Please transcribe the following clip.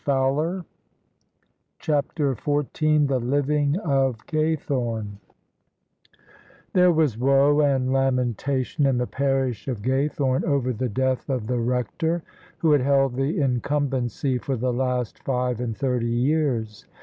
CHAPTER XIV THE LIVING OF GAYTHORNB Thers was woe and lamentation in die parish of Gay thome over die death of the Rector, who had held the incumbenqr for die last five and thirty years.